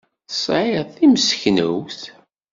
Tesɛiḍ timseknewt?